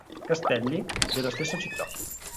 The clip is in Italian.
Castelli" della stessa città.